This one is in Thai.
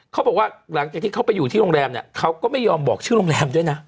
เขาบอกว่าหลังจากที่เขาไปอยู่ที่โรงแรมเนี่ยเขาก็ไม่ยอมบอกชื่อโรงแรมด้วยนะ